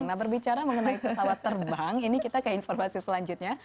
nah berbicara mengenai pesawat terbang ini kita ke informasi selanjutnya